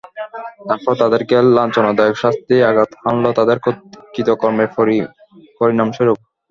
তারপর তাদেরকে লাঞ্ছনাদায়ক শাস্তি আঘাত হানল তাদের কৃতকর্মের পরিণামস্বরূপ।